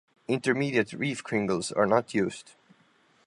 Intermediate reef cringles are not used.